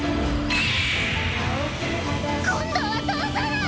今度は通さない！